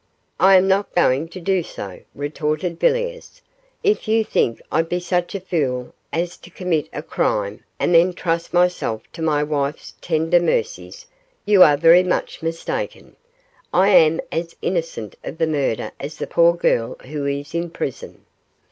'I am not going to do so,' retorted Villiers; 'if you think I'd be such a fool as to commit a crime and then trust myself to my wife's tender mercies, you are very much mistaken. I am as innocent of the murder as the poor girl who is in prison.